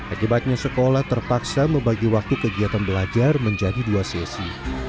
akibatnya sekolah terpaksa membagi waktu kegiatan belajar menjadi dua sesi